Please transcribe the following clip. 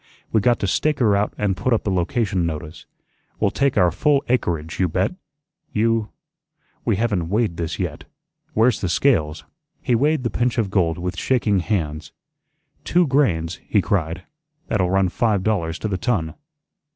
We got to stake her out an' put up the location notice. We'll take our full acreage, you bet. You we haven't weighed this yet. Where's the scales?" He weighed the pinch of gold with shaking hands. "Two grains," he cried. "That'll run five dollars to the ton.